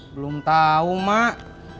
belum tau mak